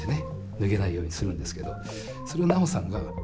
脱げないようにするんですけど。